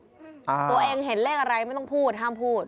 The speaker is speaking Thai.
ตัวเองเห็นเลขอะไรไม่ต้องพูดห้ามพูด